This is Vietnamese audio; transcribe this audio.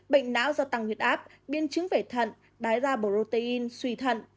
bệnh não do tăng huyết áp biên chứng về thận đái da bổ protein suy thận